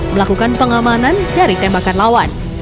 melakukan pengamanan dari tembakan lawan